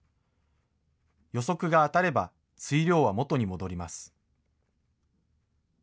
予測が当たれば水量は元に戻ります。